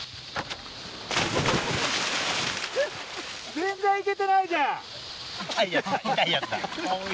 全然行けてないじゃん！